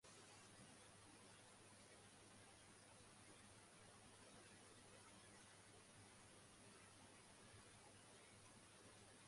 শাসনের প্রাথমিক পর্যায়ে তিনি কামরূপের বিরুদ্ধে একটি সামরিক অভিযান পরিচালনা করেন।